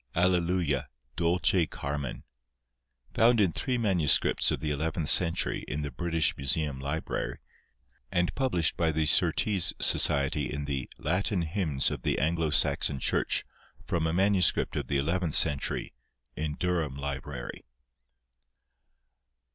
ALLELUIA, DULCE CARMEN Found in three MSS. of the eleventh century in the British Museum Library, and published by the Surtees Society in the "Latin Hymns of the Anglo Saxon Church," from a MS. of the eleventh century, in Durham Library.